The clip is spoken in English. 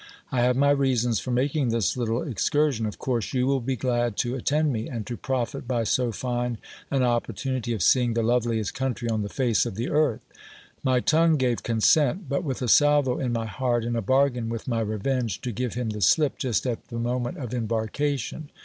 I have my reasons for making this little excursion ; of course you will be glad to attend me, and to profit by so fine an opportunity of seeing the loveliest country on the face of the earth. My tongue gave consent ; but with a salvo in my heart and a bargain with my revenge, to give him the slip just at the moment of embarkation.